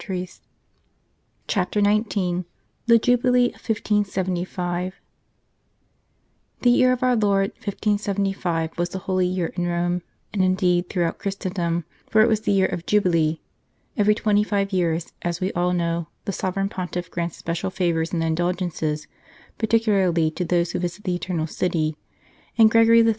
124 CHAPTER XIX THE JUBILEE OF 1575 THE year of our Lord 1575 was a holy year in Rome, and, indeed, throughout Christendom, for it was the year of Jubilee. Every twenty five years, as we all know, the Sovereign Pontiff grants special favours and indulgences, particu larly to those who visit the Eternal City ; and Gregory XIII.